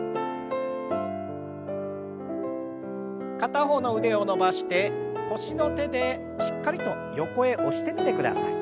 片方の腕を伸ばして腰の手でしっかりと横へ押してみてください。